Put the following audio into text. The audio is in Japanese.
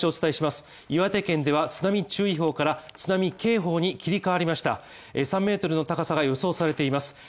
岩手県では津波注意報から、津波警報に切り替わりました３ｍの高さが予想されています